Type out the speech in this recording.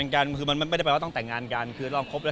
ก็ห่างกันแล้วไม่ได้คุยกันแล้วครับ